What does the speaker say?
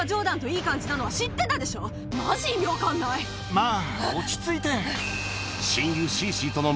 まぁ落ち着いて。